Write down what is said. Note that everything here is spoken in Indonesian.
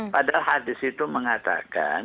padahal hadis itu mengatakan